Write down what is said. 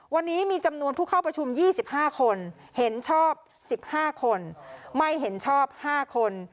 วันนี้มีจำนวนผู้เข้าประชุมยี่สิบห้าคนเห็นชอบสิบห้าคนไม่เห็นชอบห้าคน